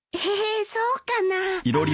えそうかな？